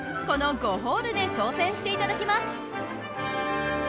この５ホールで挑戦していただきます。